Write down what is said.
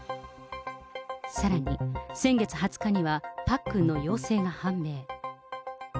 さらに、先月２０日にはパックンの陽性が判明。